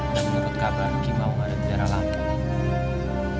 dan menurut kabar kim aung ada daerah lantai